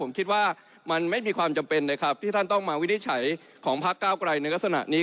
ผมคิดว่ามันไม่มีความจำเป็นนะครับที่ท่านต้องมาวินิจฉัยของพักเก้าไกลในลักษณะนี้